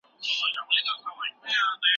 تاسې به وګورئ چې نړۍ څنګه کار کوي.